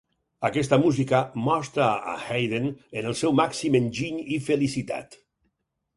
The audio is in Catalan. Aquesta música mostra a Haydn en el seu màxim enginy i felicitat.